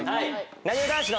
なにわ男子です。